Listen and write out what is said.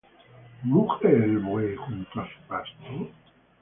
¿Muge el buey junto á su pasto?